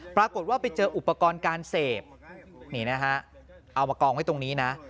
ปรากฏว่าไปเจออุปกรณ์การเสพนี่นะฮะเอามากองไว้ตรงนี้นะ